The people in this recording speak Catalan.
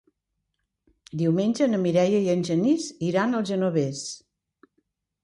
Diumenge na Mireia i en Genís iran al Genovés.